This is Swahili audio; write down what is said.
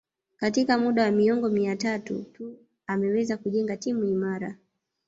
Katika muda wa miongo mitatu tu ameweza kujenga timu imara